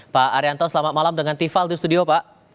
pak arianto selamat malam dengan tiffal di studio pak